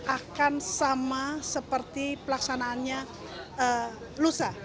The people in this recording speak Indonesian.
akan sama seperti pelaksanaannya lusa